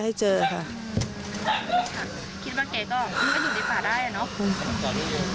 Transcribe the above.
เหนื่อยเลยเนอะ